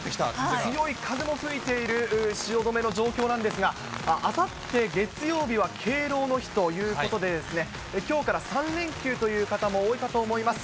強い風も吹いている汐留の状況なんですが、あさって月曜日は、敬老の日ということで、きょうから３連休という方も多いかと思います。